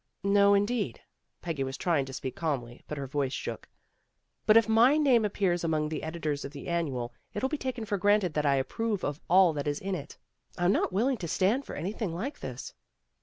'' "No indeed," Peggy was trying to speak calmly, but her voice shook, "But if my name appears among the editors of the Annual, it'll be taken for granted that I approve of all that is in it. I 'm not willing to stand for anything like this."